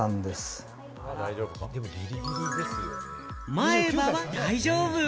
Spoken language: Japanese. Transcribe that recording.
前歯は大丈夫。